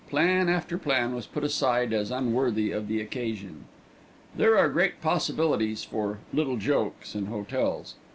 Plan after plan was put aside as unworthy of the occasion. There are great possibilities for "little jokes" in hotels.